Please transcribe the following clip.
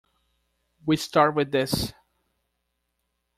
We start with this.